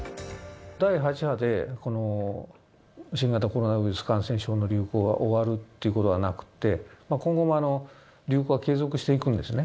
第８波でこの新型コロナウイルス感染症の流行が終わるっていうことはなくて、今後も流行は継続していくんですね。